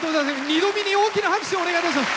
二度見に大きな拍手をお願いいたします！